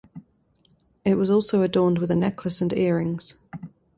It was also adorned with a necklace and earrings.